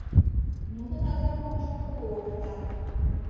— Нунын агрономышт кугу опытан...